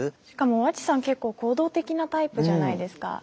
しかも和智さん結構行動的なタイプじゃないですか。